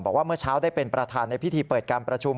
บอกว่าเมื่อเช้าได้เป็นประธานในพิธีเปิดการประชุม